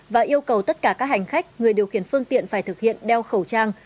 và yêu cầu tất cả các hành khách người điều khiển phương tiện phải thực hiện đeo khẩu trang